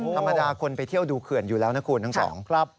ธรรมดาคนไปเที่ยวดูเขื่อนอยู่แล้วนะคุณทั้งสอง